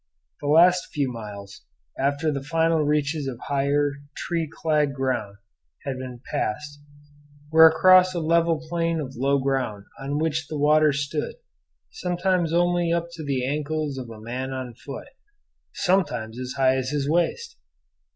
The last few miles, after the final reaches of higher, tree clad ground had been passed, were across a level plain of low ground on which the water stood, sometimes only up to the ankles of a man on foot, sometimes as high as his waist.